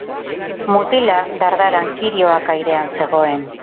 Mutila, dardaran, kirioak airean zegoen.